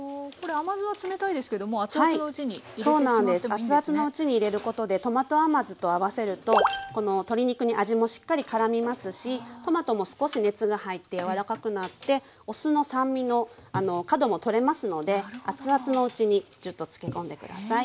熱々のうちに入れることでトマト甘酢と合わせるとこの鶏肉に味もしっかりからみますしトマトも少し熱が入って柔らかくなってお酢の酸味の角も取れますので熱々のうちにジュッと漬け込んで下さい。